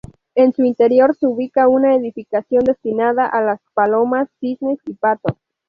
En su interior se ubica una edificación destinada a las palomas, cisnes y patos.